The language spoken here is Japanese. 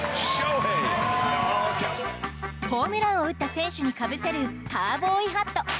ホームランを打った選手にかぶせるカウボーイハット。